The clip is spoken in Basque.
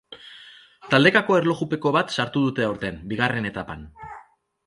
Taldekako erlojupeko bat sartu dute aurten, bigarren apan.